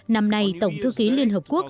năm nay tổng thư ký liên hợp quốc